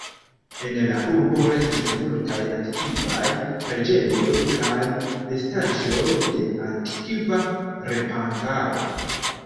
En la urbo restis multaj antikvaj preĝejoj kaj restaĵoj de antikva remparo.